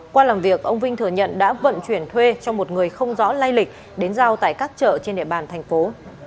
qua làm việc ông vinh thừa nhận đã vận chuyển thuê cho một người không rõ lai lịch đến giao tại các chợ trên địa bàn thành phố